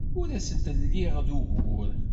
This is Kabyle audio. Ur asent-lliɣ d ugur.